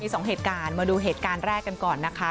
สองเหตุการณ์มาดูเหตุการณ์แรกกันก่อนนะคะ